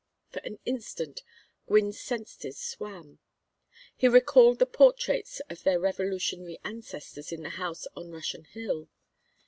For an instant Gwynne's senses swam. He recalled the portraits of their Revolutionary ancestors in the house on Russian Hill.